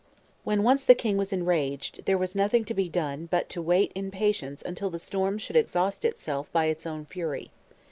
When once the king was enraged, there was nothing to be done but to wait in patience until the storm should exhaust itself by its own fury.